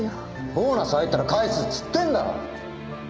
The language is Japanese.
ボーナス入ったら返すっつってんだろ！